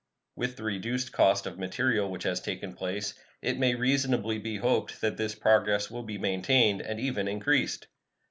With the reduced cost of material which has taken place, it may reasonably be hoped that this progress will be maintained, and even increased.